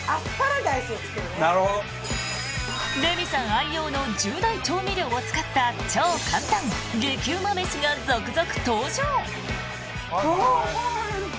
レミさん愛用の十大調味料を使った超簡単激うま飯が続々登場。